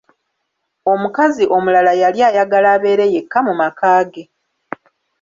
Omukazi omulala yali ayagala abeere yekka mu maka ge!